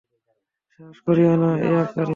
সাহস হারিয়ো না, ইয়াকারি।